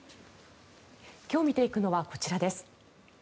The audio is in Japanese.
今日見ていくのはこちらです。